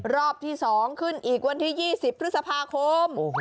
รอบที่๒ขึ้นอีกวันที่๒๐พฤษภาคม